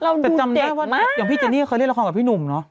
เราดูเด็กมากแต่จำหน้าว่าอย่างพี่เจนนี่ก็เคยเรียนละครกับพี่หนุ่มเนอะ